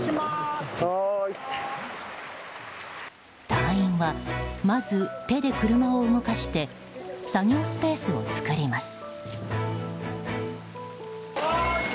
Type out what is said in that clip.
隊員は、まず手で車を動かして作業スペースを作ります。